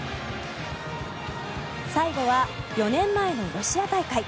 最後は４年前のロシア大会。